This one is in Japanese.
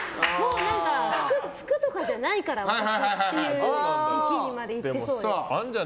服とかじゃないから私っていう域にいってそうです。